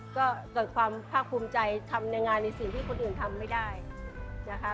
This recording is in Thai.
ก็เกิดความภาคภูมิใจทำในงานในสิ่งที่คนอื่นทำไม่ได้นะคะ